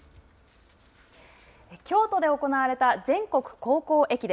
京都で行われた全国高校駅伝。